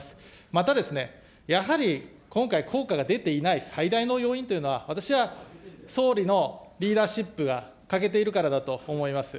またですね、やはり今回、効果が出ていない最大の要因というのは、私は、総理のリーダーシップが欠けているからだと思います。